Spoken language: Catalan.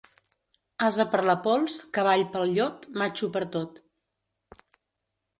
Ase per la pols, cavall pel llot, matxo per tot.